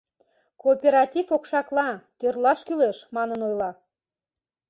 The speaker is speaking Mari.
«Кооператив окшакла, тӧрлаш кӱлеш» манын ойла.